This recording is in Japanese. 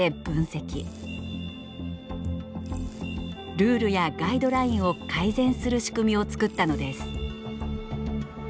ルールやガイドラインを改善する仕組みを作ったのです。